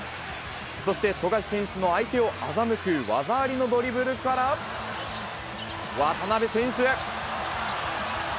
そして富樫選手の相手をあざむく技ありのドリブルから、渡邊選手。